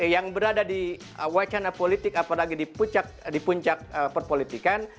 yang berada di wacana politik apalagi di puncak perpolitikan